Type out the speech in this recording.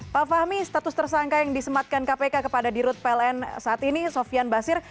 pak fahmi status tersangka yang disematkan kpk kepada dirut pln saat ini sofian basir